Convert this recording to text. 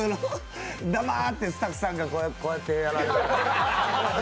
黙ってスタッフさんにこうやってやられた。